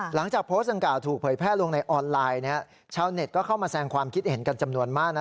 หลังจากโพสต์ดังกล่าถูกเผยแพร่ลงในออนไลน์ชาวเน็ตก็เข้ามาแสงความคิดเห็นกันจำนวนมากนะ